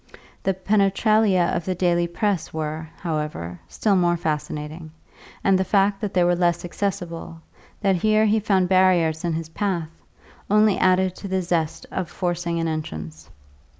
The penetralia of the daily press were, however, still more fascinating, and the fact that they were less accessible, that here he found barriers in his path, only added to the zest of forcing an entrance.